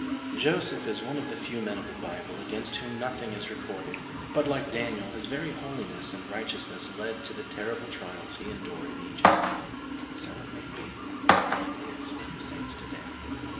10 HEART TALKS ON HOLINESS. Joseph is one of the few men in the Bible against whom nothing is recorded, but like Daniel his very holiness and righteousness led to the terrible trials he endured in Egypt. And so it may be and is with the saints to day.